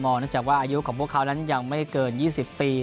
เนื่องจากว่าอายุของพวกเขานั้นยังไม่เกิน๒๐ปี